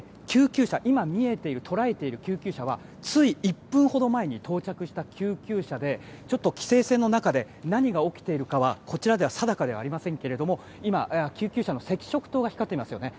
今捉えている救急車はつい１分ほど前に到着した救急車で規制線の中で何が起きているかは、こちらでは定かではありませんけど救急車の赤色灯が光っていますよね。